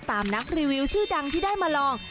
ตามนักรีวิวชื่อดังที่ได้มาลอง